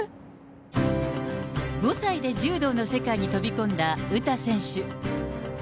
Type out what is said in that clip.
５歳で柔道の世界に飛び込んだ詩選手。